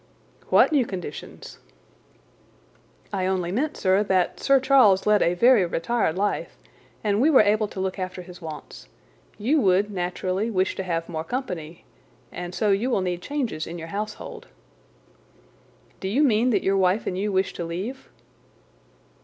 "What new conditions?" "I only meant, sir, that Sir Charles led a very retired life, and we were able to look after his wants. You would, naturally, wish to have more company, and so you will need changes in your household." "Do you mean that your wife and you wish to leave?"